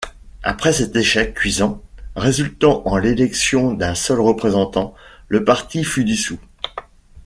Après cet échec cuisant, résultant en l'élection d'un seul représentant, le parti fut dissous.